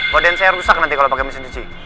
badan saya rusak nanti kalau pakai mesin cuci